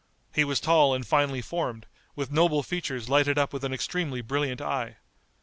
He was tall and finely formed, with noble features lighted up with an extremely brilliant eye.